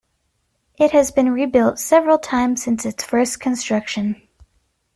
It has been rebuilt several times since its first construction.